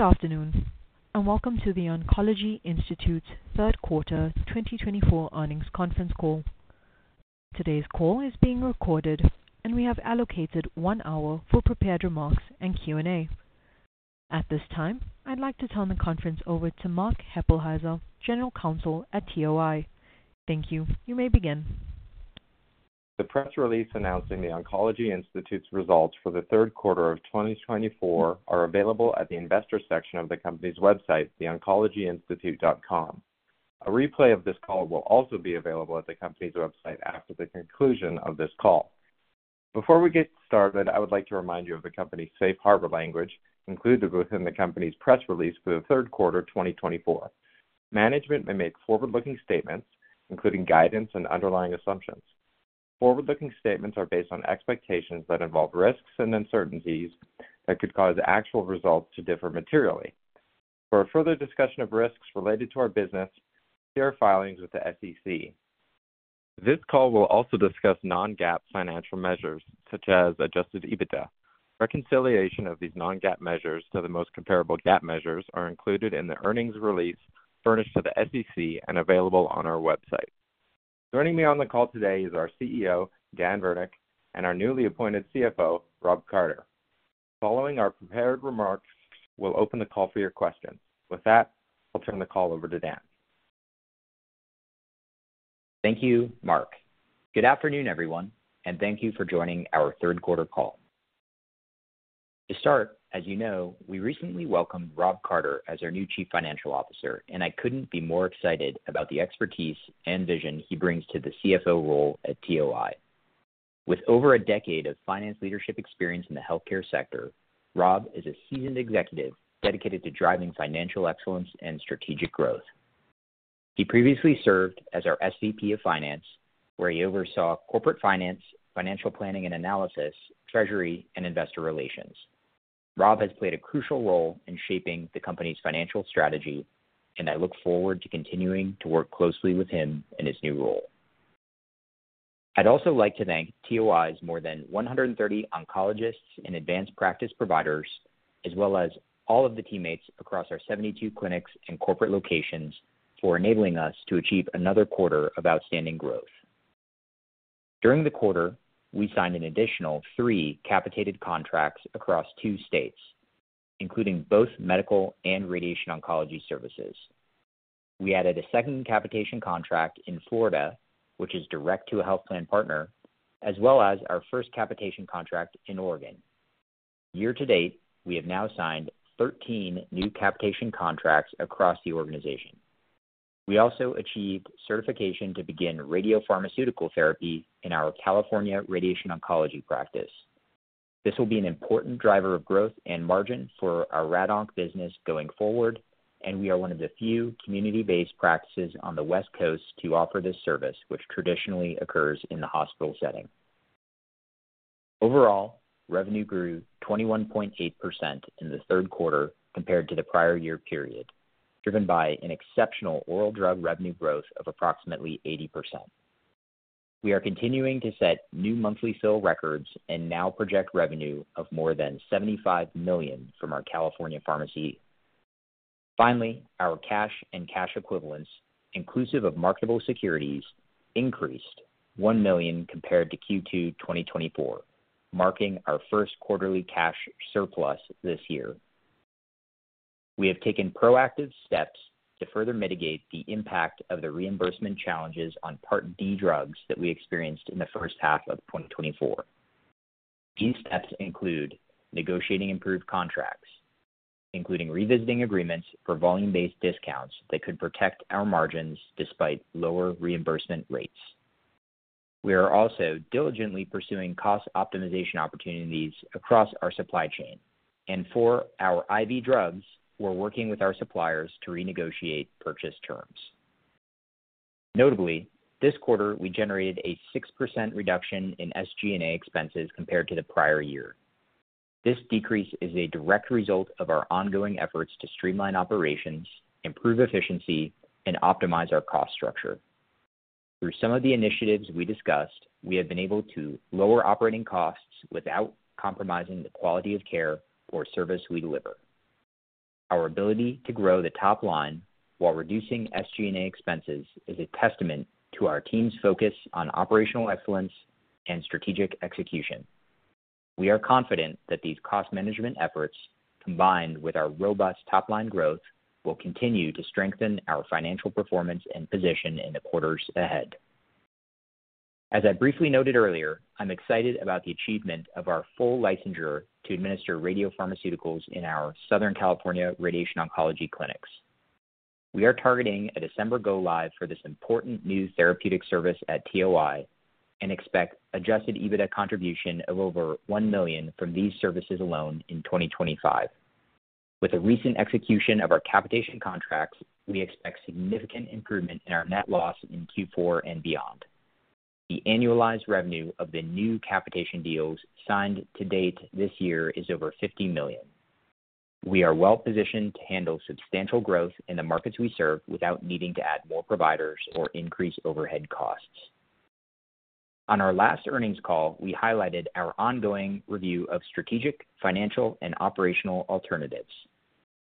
Good afternoon, and welcome to The Oncology Institute's Third Quarter 2024 Earnings Conference Call. Today's call is being recorded, and we have allocated one hour for prepared remarks and Q&A. At this time, I'd like to turn the conference over to Mark Hueppelsheuser, General Counsel at TOI. Thank you. You may begin. The press release announcing The Oncology Institute's results for the third quarter of 2024 are available at the investor section of the company's website, theoncologyinstitute.com. A replay of this call will also be available at the company's website after the conclusion of this call. Before we get started, I would like to remind you of the company's safe harbor language included within the company's press release for the third quarter 2024. Management may make forward-looking statements, including guidance and underlying assumptions. Forward-looking statements are based on expectations that involve risks and uncertainties that could cause actual results to differ materially. For further discussion of risks related to our business, see our filings with the SEC. This call will also discuss non-GAAP financial measures, such as Adjusted EBITDA. Reconciliation of these Non-GAAP measures to the most comparable GAAP measures is included in the earnings release furnished to the SEC and available on our website. Joining me on the call today is our CEO, Dan Virnick, and our newly appointed CFO, Rob Carter. Following our prepared remarks, we'll open the call for your questions. With that, I'll turn the call over to Dan. Thank you, Mark. Good afternoon, everyone, and thank you for joining our third quarter call. To start, as you know, we recently welcomed Rob Carter as our new Chief Financial Officer, and I couldn't be more excited about the expertise and vision he brings to the CFO role at TOI. With over a decade of finance leadership experience in the healthcare sector, Rob is a seasoned executive dedicated to driving financial excellence and strategic growth. He previously served as our SVP of Finance, where he oversaw corporate finance, financial planning and analysis, treasury, and investor relations. Rob has played a crucial role in shaping the company's financial strategy, and I look forward to continuing to work closely with him in his new role. I'd also like to thank TOI's more than 130 oncologists and advanced practice providers, as well as all of the teammates across our 72 clinics and corporate locations, for enabling us to achieve another quarter of outstanding growth. During the quarter, we signed an additional three capitated contracts across two states, including both medical and radiation oncology services. We added a second capitation contract in Florida, which is direct to a health plan partner, as well as our first capitation contract in Oregon. Year to date, we have now signed 13 new capitation contracts across the organization. We also achieved certification to begin radiopharmaceutical therapy in our California radiation oncology practice. This will be an important driver of growth and margin for our RADONC business going forward, and we are one of the few community-based practices on the West Coast to offer this service, which traditionally occurs in the hospital setting. Overall, revenue grew 21.8% in the third quarter compared to the prior year period, driven by an exceptional oral drug revenue growth of approximately 80%. We are continuing to set new monthly fill records and now project revenue of more than $75 million from our California pharmacy. Finally, our cash and cash equivalents, inclusive of marketable securities, increased $1 million compared to Q2 2024, marking our first quarterly cash surplus this year. We have taken proactive steps to further mitigate the impact of the reimbursement challenges on Part D drugs that we experienced in the first half of 2024. These steps include negotiating improved contracts, including revisiting agreements for volume-based discounts that could protect our margins despite lower reimbursement rates. We are also diligently pursuing cost optimization opportunities across our supply chain, and for our IV drugs, we're working with our suppliers to renegotiate purchase terms. Notably, this quarter, we generated a 6% reduction in SG&A expenses compared to the prior year. This decrease is a direct result of our ongoing efforts to streamline operations, improve efficiency, and optimize our cost structure. Through some of the initiatives we discussed, we have been able to lower operating costs without compromising the quality of care or service we deliver. Our ability to grow the top line while reducing SG&A expenses is a testament to our team's focus on operational excellence and strategic execution. We are confident that these cost management efforts, combined with our robust top-line growth, will continue to strengthen our financial performance and position in the quarters ahead. As I briefly noted earlier, I'm excited about the achievement of our full licensure to administer radiopharmaceuticals in our Southern California radiation oncology clinics. We are targeting a December go-live for this important new therapeutic service at TOI and expect Adjusted EBITDA contribution of over $1 million from these services alone in 2025. With the recent execution of our capitation contracts, we expect significant improvement in our net loss in Q4 and beyond. The annualized revenue of the new capitation deals signed to date this year is over $50 million. We are well-positioned to handle substantial growth in the markets we serve without needing to add more providers or increase overhead costs. On our last earnings call, we highlighted our ongoing review of strategic, financial, and operational alternatives.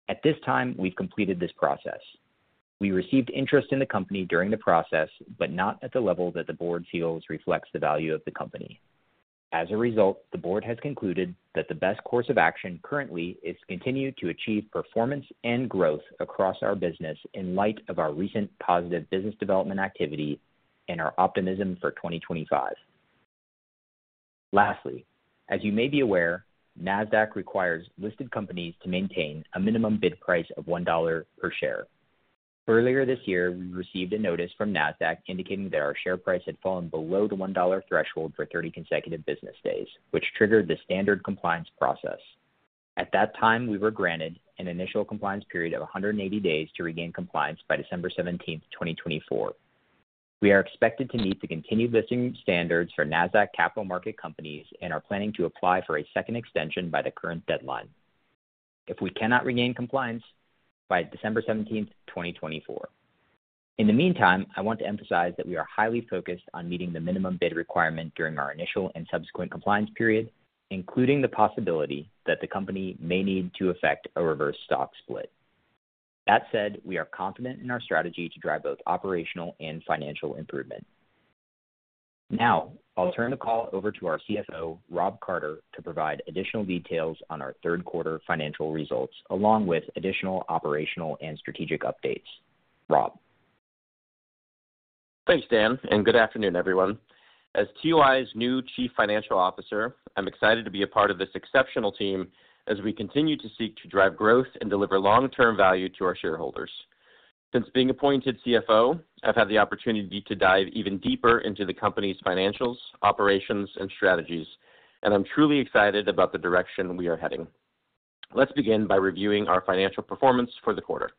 At this time, we've completed this process. We received interest in the company during the process, but not at the level that the board feels reflects the value of the company. As a result, the board has concluded that the best course of action currently is to continue to achieve performance and growth across our business in light of our recent positive business development activity and our optimism for 2025. Lastly, as you may be aware, Nasdaq requires listed companies to maintain a minimum bid price of $1 per share. Earlier this year, we received a notice from Nasdaq indicating that our share price had fallen below the $1 threshold for 30 consecutive business days, which triggered the standard compliance process. At that time, we were granted an initial compliance period of 180 days to regain compliance by December 17, 2024. We are expected to meet the continued listing standards for Nasdaq Capital Market companies and are planning to apply for a second extension by the current deadline. If we cannot regain compliance by December 17, 2024, in the meantime, I want to emphasize that we are highly focused on meeting the minimum bid requirement during our initial and subsequent compliance period, including the possibility that the company may need to effect a reverse stock split. That said, we are confident in our strategy to drive both operational and financial improvement. Now, I'll turn the call over to our CFO, Rob Carter, to provide additional details on our third quarter financial results, along with additional operational and strategic updates. Rob. Thanks, Dan, and good afternoon, everyone. As TOI's new Chief Financial Officer, I'm excited to be a part of this exceptional team as we continue to seek to drive growth and deliver long-term value to our shareholders. Since being appointed CFO, I've had the opportunity to dive even deeper into the company's financials, operations, and strategies, and I'm truly excited about the direction we are heading. Let's begin by reviewing our financial performance for the quarter.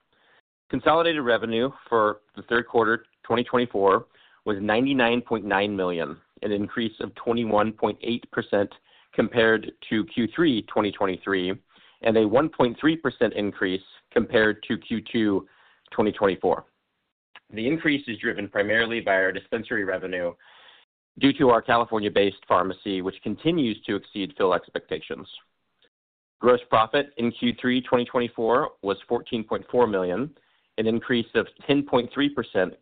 Consolidated revenue for the third quarter 2024 was $99.9 million, an increase of 21.8% compared to Q3 2023 and a 1.3% increase compared to Q2 2024. The increase is driven primarily by our dispensary revenue due to our California-based pharmacy, which continues to exceed fill expectations. Gross profit in Q3 2024 was $14.4 million, an increase of 10.3%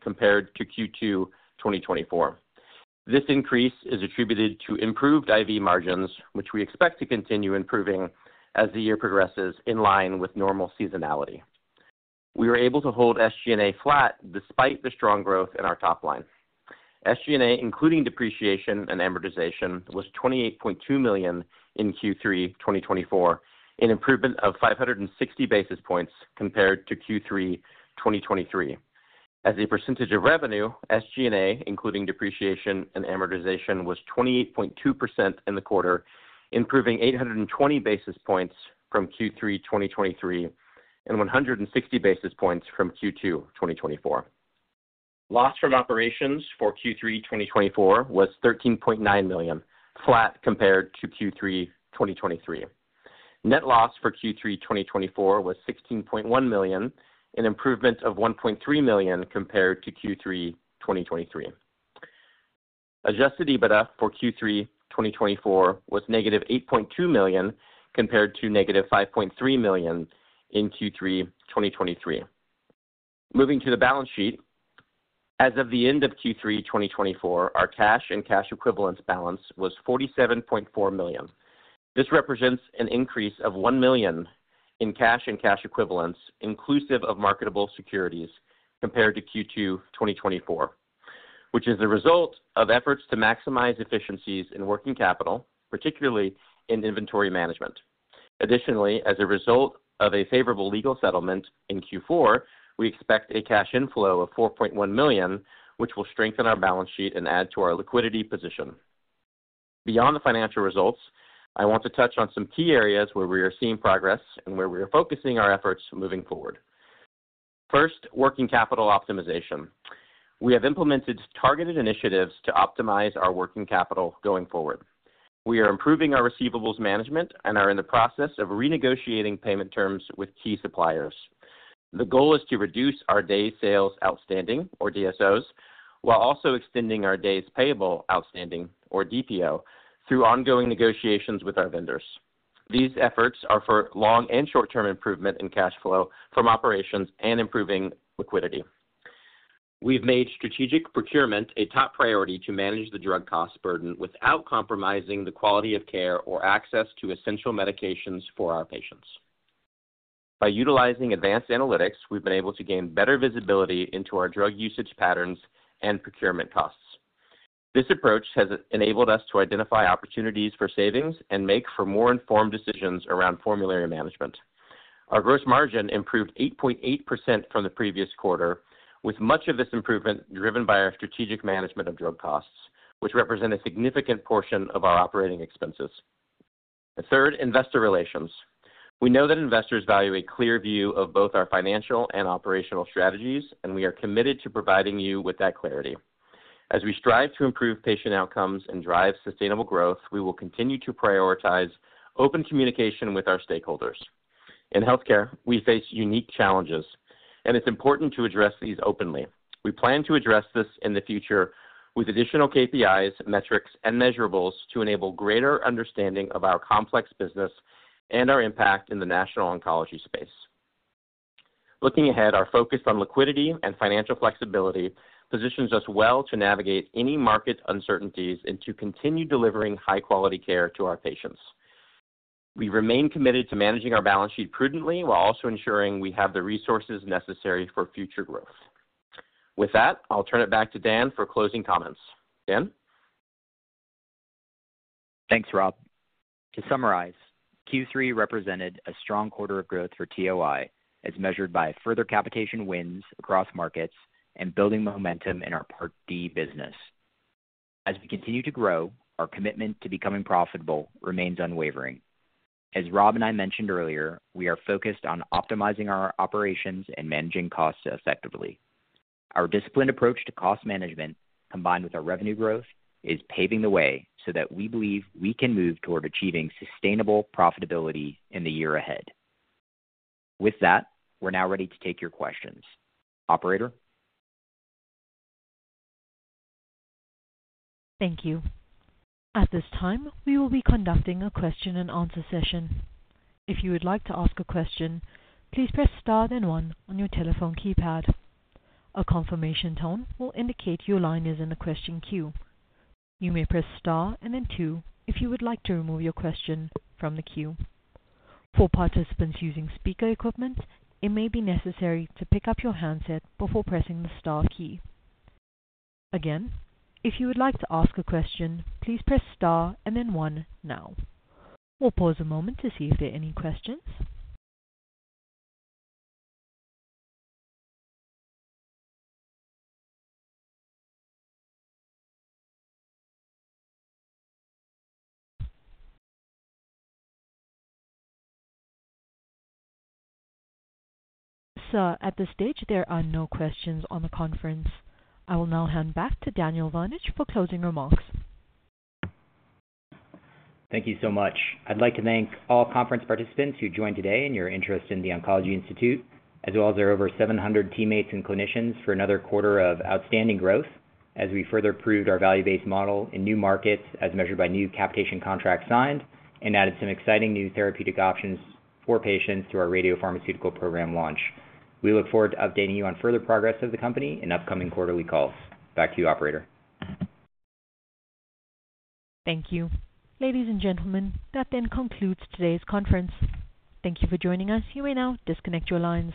compared to Q2 2024. This increase is attributed to improved IV margins, which we expect to continue improving as the year progresses in line with normal seasonality. We were able to hold SG&A flat despite the strong growth in our top line. SG&A, including depreciation and amortization, was $28.2 million in Q3 2024, an improvement of 560 basis points compared to Q3 2023. As a percentage of revenue, SG&A, including depreciation and amortization, was 28.2% in the quarter, improving 820 basis points from Q3 2023 and 160 basis points from Q2 2024. Loss from operations for Q3 2024 was $13.9 million, flat compared to Q3 2023. Net loss for Q3 2024 was $16.1 million, an improvement of $1.3 million compared to Q3 2023. Adjusted EBITDA for Q3 2024 was negative $8.2 million compared to negative $5.3 million in Q3 2023. Moving to the balance sheet, as of the end of Q3 2024, our cash and cash equivalents balance was $47.4 million. This represents an increase of $1 million in cash and cash equivalents, inclusive of marketable securities, compared to Q2 2024, which is the result of efforts to maximize efficiencies in working capital, particularly in inventory management. Additionally, as a result of a favorable legal settlement in Q4, we expect a cash inflow of $4.1 million, which will strengthen our balance sheet and add to our liquidity position. Beyond the financial results, I want to touch on some key areas where we are seeing progress and where we are focusing our efforts moving forward. First, working capital optimization. We have implemented targeted initiatives to optimize our working capital going forward. We are improving our receivables management and are in the process of renegotiating payment terms with key suppliers. The goal is to reduce our Days Sales Outstanding, or DSOs, while also extending our Days Payable Outstanding, or DPO, through ongoing negotiations with our vendors. These efforts are for long and short-term improvement in cash flow from operations and improving liquidity. We've made strategic procurement a top priority to manage the drug cost burden without compromising the quality of care or access to essential medications for our patients. By utilizing advanced analytics, we've been able to gain better visibility into our drug usage patterns and procurement costs. This approach has enabled us to identify opportunities for savings and make more informed decisions around formulary management. Our gross margin improved 8.8% from the previous quarter, with much of this improvement driven by our strategic management of drug costs, which represent a significant portion of our operating expenses. Third, investor relations. We know that investors value a clear view of both our financial and operational strategies, and we are committed to providing you with that clarity. As we strive to improve patient outcomes and drive sustainable growth, we will continue to prioritize open communication with our stakeholders. In healthcare, we face unique challenges, and it's important to address these openly. We plan to address this in the future with additional KPIs, metrics, and measurables to enable greater understanding of our complex business and our impact in the national oncology space. Looking ahead, our focus on liquidity and financial flexibility positions us well to navigate any market uncertainties and to continue delivering high-quality care to our patients. We remain committed to managing our balance sheet prudently while also ensuring we have the resources necessary for future growth. With that, I'll turn it back to Dan for closing comments. Dan? Thanks, Rob. To summarize, Q3 represented a strong quarter of growth for TOI, as measured by further capitation wins across markets and building momentum in our Part D business. As we continue to grow, our commitment to becoming profitable remains unwavering. As Rob and I mentioned earlier, we are focused on optimizing our operations and managing costs effectively. Our disciplined approach to cost management, combined with our revenue growth, is paving the way so that we believe we can move toward achieving sustainable profitability in the year ahead. With that, we're now ready to take your questions. Operator? Thank you. At this time, we will be conducting a question-and-answer session. If you would like to ask a question, please press Star then 1 on your telephone keypad. A confirmation tone will indicate your line is in the question queue. You may press star and then two if you would like to remove your question from the queue. For participants using speaker equipment, it may be necessary to pick up your handset before pressing the star key. Again, if you would like to ask a question, please press star and then one now. We'll pause a moment to see if there are any questions. Sir, at this stage, there are no questions on the conference. I will now hand back to Daniel Virnich for closing remarks. Thank you so much. I'd like to thank all conference participants who joined today and your interest in The Oncology Institute, as well as our over 700 teammates and clinicians for another quarter of outstanding growth as we further proved our value-based model in new markets as measured by new capitation contracts signed and added some exciting new therapeutic options for patients through our radiopharmaceutical program launch. We look forward to updating you on further progress of the company in upcoming quarterly calls. Back to you, Operator. Thank you. Ladies and gentlemen, that then concludes today's conference. Thank you for joining us. You may now disconnect your lines.